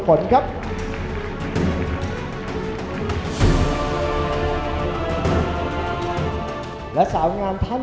๓๓๐ครับนางสาวปริชาธิบุญยืน